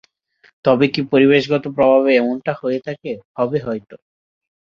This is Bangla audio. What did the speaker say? তবে কি পরিবেশগত প্রভাবে এমনটা হয়ে থাকে? হবে হয়তো।